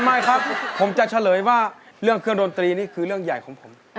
ไม่ครับผมจะเฉลยว่าเรื่องเครื่องดนตรีนี่คือเรื่องใหญ่ของผม